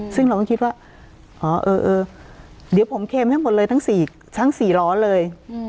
ซึ่งเราก็คิดว่าอ๋อเออเออเดี๋ยวผมเคมให้หมดเลยทั้งสี่ทั้งสี่ร้อเลย